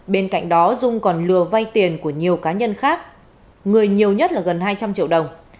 bên cạnh đó dung còn lừa vay tiền của nhiều cá nhân khác người nhiều nhất là gần hai trăm linh triệu đồng